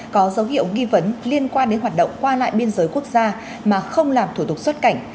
có dấu hiệu nghi vấn liên quan đến hoạt động qua lại biên giới quốc gia mà không làm thủ tục xuất cảnh